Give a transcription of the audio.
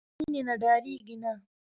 هلک له مینې نه ډاریږي نه.